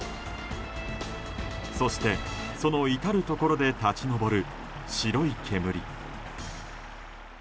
そして、その至るところで立ち上る、白い煙。